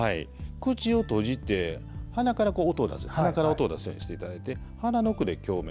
口を閉じて鼻から音を出すようにしていただいて、鼻の奥で共鳴。